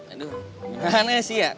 aduh gimana sih ya